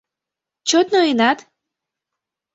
— Чот ноенат?